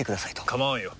構わんよ。